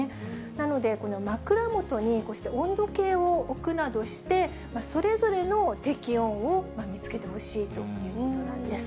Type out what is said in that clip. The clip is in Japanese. なので、この枕元にこうして温度計を置くなどして、それぞれの適温を見つけてほしいということなんです。